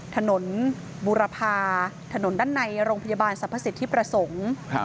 ถนนบุรพาถนนด้านในโรงพยาบาลสรรพสิทธิประสงค์